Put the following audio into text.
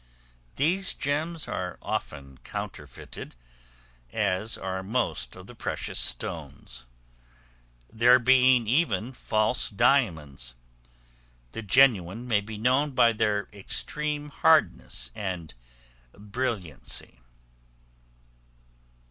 These gems are often counterfeited, as are most of the precious stones, there being even false diamonds; the genuine may be known by their extreme hardness and brilliancy.